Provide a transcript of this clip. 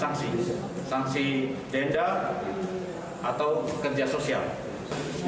sanksi sanksi denda atau kerja sosial